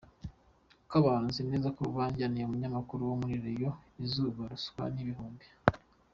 kabantu nzi neza bajyaniye umunyamakuru wo kuri Radio izuba ruswa yibihumbi.